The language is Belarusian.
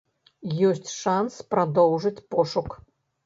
Ёсць шанс прадоўжыць пошук.